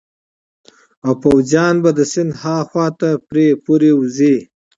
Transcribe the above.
او پوځیان به د سیند هاخوا ته پرې پورې ووزي.